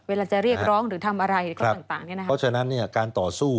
เวลาจะเรียกร้องหรือทำอะไรเพราะฉะนั้นการต่อสู้